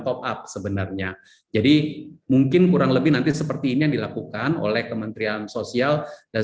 top up sebenarnya jadi mungkin kurang lebih nanti seperti ini yang dilakukan oleh kementerian sosial dan